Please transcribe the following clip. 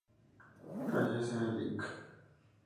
Fallece el Lic.